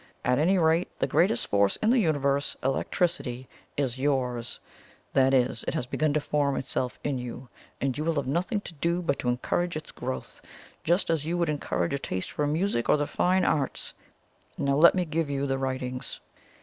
At any rate, the greatest force in the universe, electricity, is yours that is, it has begun to form itself in you and you have nothing to do but to encourage its growth, just as you would encourage a taste for music or the fine arts. Now let me give you the writings."